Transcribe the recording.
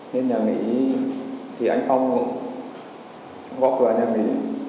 nên nhà nghỉ thì anh phong góp vào nhà nghỉ